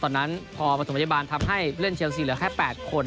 ตอนนั้นพอประถมพยาบาลทำให้เล่นเชลซีเหลือแค่๘คน